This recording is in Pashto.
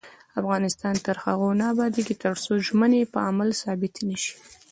افغانستان تر هغو نه ابادیږي، ترڅو ژمنې په عمل ثابتې نشي.